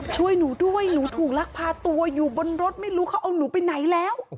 ช่วยหนูด้วยหนูถูกลักพาตัวอยู่บนรถไม่รู้เขาเอาหนูไปไหนแล้ว